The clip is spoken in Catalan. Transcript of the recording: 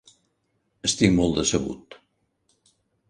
Estic molt decebut.